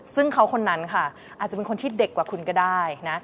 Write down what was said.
ซึ่งเขาคนนั้นค่ะอาจจะเป็นคนที่เด็กกว่าคุณก็ได้นะ